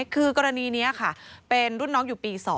คือกรณีนี้ค่ะเป็นรุ่นน้องอยู่ปี๒